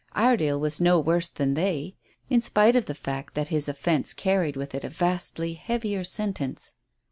Iredale was no worse than they, in spite of the fact that his offence carried with it a vastly heavier sentence.